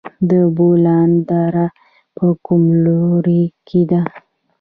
د بولان دره په کوم لوري کې ده؟